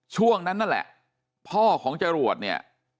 ช่วงนั้นนั่นแหละพ่อของจรวดเนี่ย